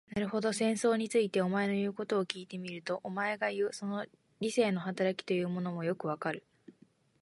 なるほど、戦争について、お前の言うことを聞いてみると、お前がいう、その理性の働きというものもよくわかる。